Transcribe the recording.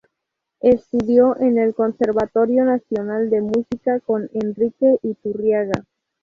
Estudió en el Conservatorio Nacional de Música con Enrique Iturriaga.